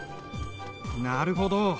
なるほど。